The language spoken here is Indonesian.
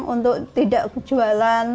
untuk tidak jualan